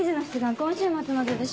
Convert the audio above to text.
今週末まででしょ？